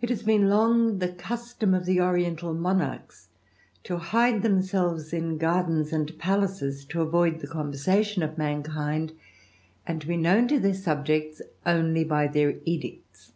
is been long the custom of the oriental monarchs to emselves in gardens and palaces, to avoid the con tn of mankind, and to be known to their subjects their edicts.